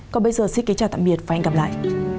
còn bây giờ xin kính chào tạm biệt và hẹn gặp lại